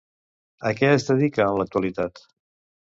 A què es dedica en l'actualitat?